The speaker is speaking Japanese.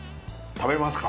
食べますか？